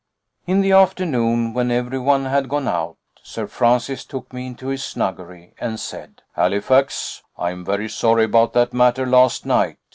In the afternoon, when everyone had gone out, Sir Francis took me into his snuggery and said: "Halifax, I am very sorry about that matter last night.